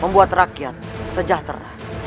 membuat rakyat sejahtera